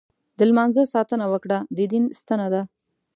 د لمانځه ساتنه وکړه، دا دین ستن ده.